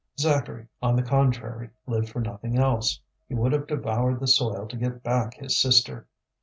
Zacharie on the contrary, lived for nothing else; he would have devoured the soil to get back his sister.